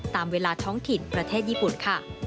ตามเวลาท้องถิ่นประเทศญี่ปุ่นค่ะ